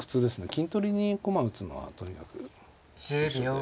金取りに駒打つのはとにかく急所で。